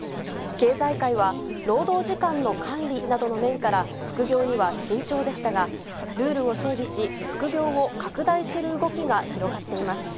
経済界は、労働時間の管理などの面から、副業には慎重でしたが、ルールを整備し、副業を拡大する動きが広がっています。